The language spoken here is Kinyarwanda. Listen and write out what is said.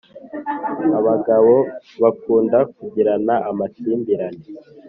ababagabo bakunda kugirana amakimbirane